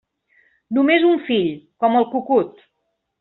Només un fill, com el cucut.